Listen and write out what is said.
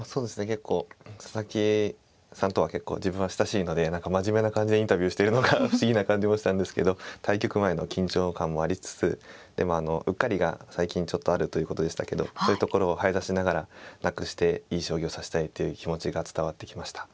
結構佐々木さんとは自分は親しいので何か真面目な感じでインタビューしてるのが不思議な感じもしたんですけど対局前の緊張感もありつつうっかりが最近ちょっとあるということでしたけどそういうところを早指しながらなくしていい将棋を指したいという気持ちが伝わってきました。